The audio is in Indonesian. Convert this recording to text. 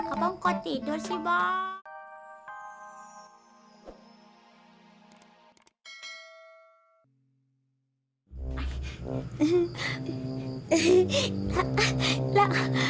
abang kau tidur sih bang